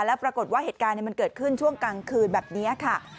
แล้วปรากฏว่าเหตุการณ์มันเกิดขึ้นช่วงกลางคืนแบบนี้ค่ะ